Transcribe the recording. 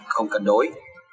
không cần đối